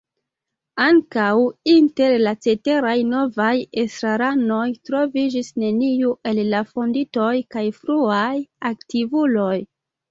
Ankaŭ inter la ceteraj novaj estraranoj troviĝis neniu el la fondintoj kaj fruaj aktivuloj.